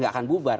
tidak akan bubar